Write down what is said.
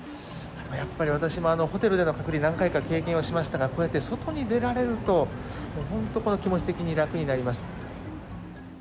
やっぱり私もホテルでの隔離は何回か経験しましたがこうやって外に出られると本当に気持ち的に楽になります。